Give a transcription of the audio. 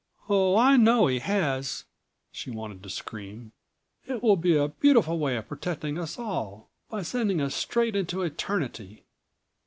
"Oh, I know he has!" she wanted to scream. "It will be a beautiful way of protecting us all ... by sending us straight into eternity.